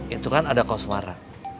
itu kan ada koswara